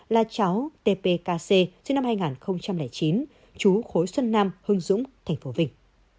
là cháu tkc sinh năm hai nghìn chín chú khối xuân nam hưng dũng tp vinh